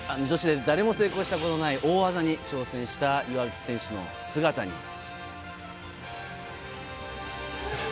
女子で誰も成功したことのない大技に挑戦した岩渕選手の姿に。